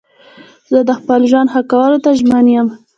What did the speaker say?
زه د خپل ژوند ښه کولو ته ژمن یم.